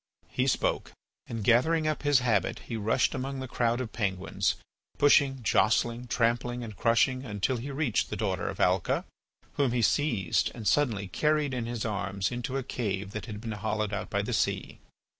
He spoke, and, gathering up his habit, he rushed among the crowd of penguins, pushing, jostling, trampling, and crushing, until he reached the daughter of Alca, whom he seized and suddenly carried in his arms into a cave that had been hollowed out by the sea.